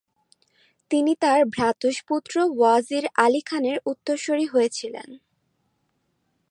তিনি তার ভ্রাতুষ্পুত্র ওয়াজির আলি খানের উত্তরসুরি হয়েছিলেন।